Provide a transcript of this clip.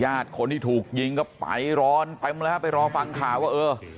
ญาติคนที่ถูกยิงก็ไปร้อนไปมาละไปรอฟังข่าวว่าเออ